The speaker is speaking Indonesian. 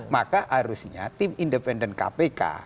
maka harusnya tim independen kpk